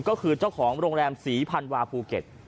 ก็คือเจ้าของโรงแรมศรีพันวาภูเก็ต